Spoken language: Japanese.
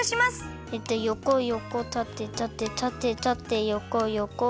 えっとよこよこたてたてたてたてよこよこ。